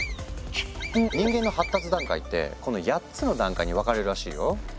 人間の発達段階ってこの８つの段階に分かれるらしいよ。